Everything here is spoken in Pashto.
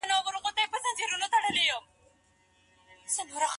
شرکت خوندي پاتې شو.